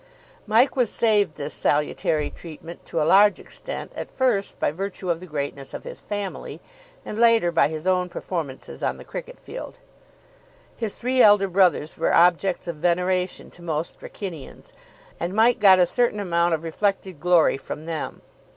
Mike was saved this salutary treatment to a large extent, at first by virtue of the greatness of his family, and, later, by his own performances on the cricket field. His three elder brothers were objects of veneration to most Wrykynians, and Mike got a certain amount of reflected glory from them.